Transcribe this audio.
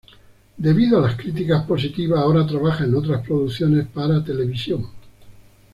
Debido a las críticas positivas ahora trabaja en otras producciones para televisión.